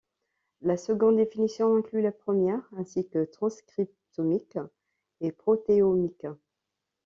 La seconde définition inclut la première ainsi que transcriptomique et protéomique.